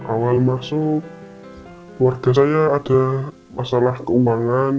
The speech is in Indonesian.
awal masuk warga saya ada masalah keuangan